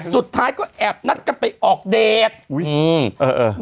สุดท้ายก็แอบนัดกันไปออกเดท